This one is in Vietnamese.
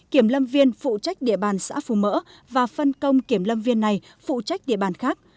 kiểm lâm viên phụ trách địa bàn xã phú mỡ và phân công kiểm lâm viên này phụ trách địa bàn khác